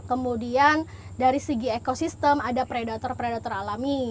kemudian dari segi ekosistem ada predator predator alami